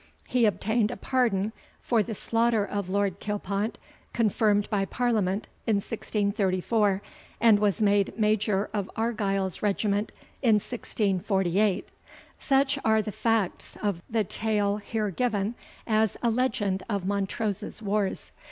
He obtained a pardon for the slaughter of Lord Kilpont, confirmed by Parliament in 1634, and was made Major of Argyle's regiment in 1648. Such are the facts of the tale here given as a Legend of Montrose's wars.